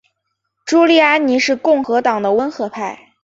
朱利安尼是共和党的温和派。